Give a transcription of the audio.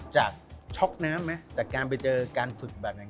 จากช็อกน้ำจากการไปเจอการฝึกแบบนั้น